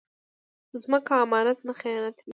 ځمکه امانت نه خیانتوي